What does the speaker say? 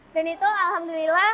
dan itu alhamdulillah